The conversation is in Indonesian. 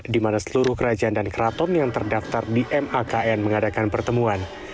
di mana seluruh kerajaan dan keraton yang terdaftar di makn mengadakan pertemuan